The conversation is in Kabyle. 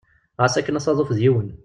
Ɣas akken asaḍuf d yiwen.